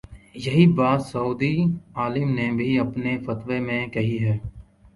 یہی بات سعودی عالم نے بھی اپنے فتوے میں کہی ہے۔